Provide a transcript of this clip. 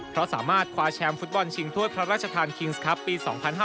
เพราะสามารถคว้าแชมป์ฟุตบอลชิงถ้วยพระราชทานคิงส์ครับปี๒๕๕๙